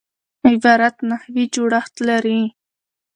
عبارت نحوي جوړښت لري.